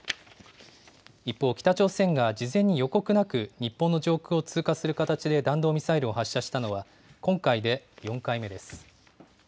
一方、北朝鮮が事前に予告なく日本の上空を通過する形で弾道ミサイルを発射したのは、今回で４回目です。